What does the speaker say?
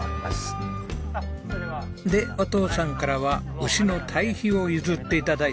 でお父さんからは牛の堆肥を譲って頂いてます。